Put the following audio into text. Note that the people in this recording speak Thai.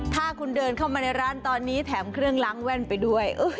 ถ้าคุณเดินเข้ามาในร้านตอนนี้แถมเครื่องล้างแว่นไปด้วย